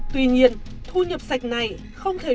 tuy nhiên thu nhập sạch này không thể đủ